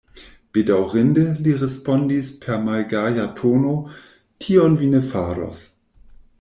Bedaŭrinde, li respondis per malgaja tono, tion vi ne faros.